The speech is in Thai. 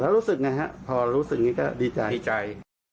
แล้วรู้สึกไงฮะพอรู้สึกนี่ก็ดีใจดีใจ